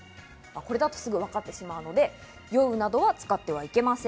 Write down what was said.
すぐわかってしまうので、「酔う」などは使ってはいけません。